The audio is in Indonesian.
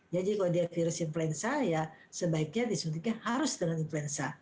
jadi kalau dia virus influenza ya sebaiknya disuntiknya harus dengan influenza